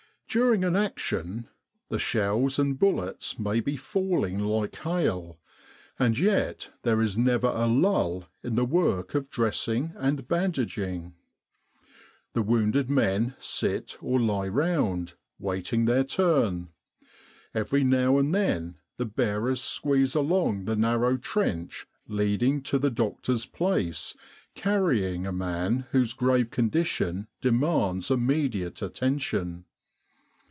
During an action the shells and bullets may be falling like hail, and yet there is never a lull in the work of dressing and bandaging. The wounded men sit or lie round, waiting their turn. Every now and then the bearers squeeze along the narrow trench leading to the doctor's place carrying a man whose grave condition demands immediate attention.